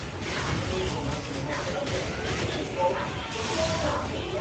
Pedro Nolasco, sin embargo, vivió toda su vida en Caracas.